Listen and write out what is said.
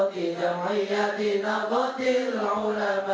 kisah kisah dari nu